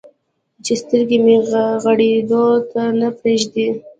چې سترګې مې غړېدو ته نه پرېږدي.